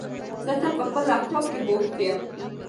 زه تل په خپل لپټاپ کېښې بوښت یم